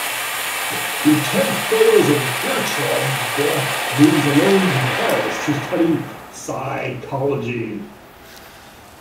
The attempt fails and Gertrud moves alone to Paris to study psychology.